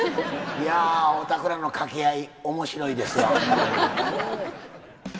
いやお宅らの掛け合い面白いですよ。